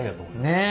ねえ。